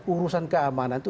urusan keamanan itu tidak ada